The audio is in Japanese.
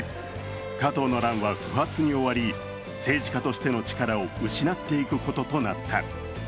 加藤の乱は不発に終わり、政治家としての力を失っていくこととなった。